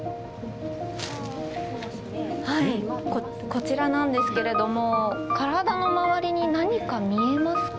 こちらなんですけれども体のまわりに何か見えますか？